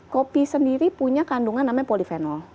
kopi sendiri punya kandungan namanya polifenol